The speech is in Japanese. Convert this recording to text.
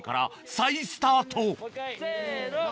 再スタートせの！